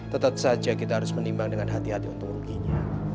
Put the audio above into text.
tetap saja kita harus menimbang dengan hati hati untuk ruginya